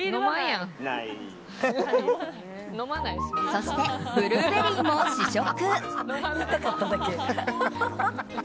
そしてブルーベリーも試食。